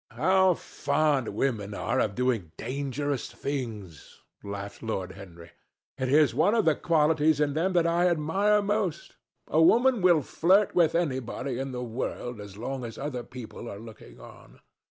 "How fond women are of doing dangerous things!" laughed Lord Henry. "It is one of the qualities in them that I admire most. A woman will flirt with anybody in the world as long as other people are looking on."